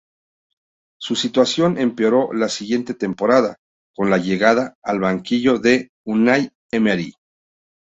Su situación empeoró la siguiente temporada, con la llegada al banquillo de Unai Emery.